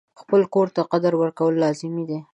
خپل کور ته قدر ورکول لازمي دي.